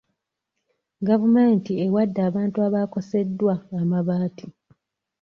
Gavumenti ewadde abantu abaakoseddwa amabaati.